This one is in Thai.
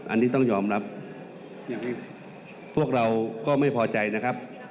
อันนี้ต้องยอมรับพวกเราก็ไม่พอใจนะครับ